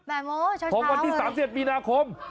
แบบโม้ช้าเลยครับผมวันที่๓๐ปีนาคม